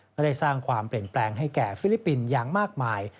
และได้สร้างความเปลี่ยนแปลงให้แก่ฟิลิปปินส์อย่างมากมาย